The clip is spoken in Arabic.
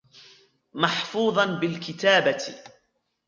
مَحْفُوظًا بِالْكِتَابَةِ